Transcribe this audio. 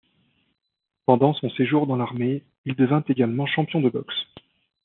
Pendant son séjour dans l'armée, il devint également champion de boxe.